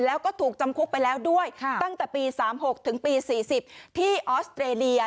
แล้วก็ถูกจำคุกไปแล้วด้วยค่ะตั้งแต่ปีสามหกถึงปีสี่สิบที่ออสเตรเลีย